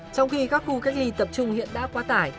trong khi các khu cách ly tập trung hiện đã quá tải